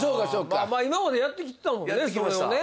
今までやってきたもんね、それを。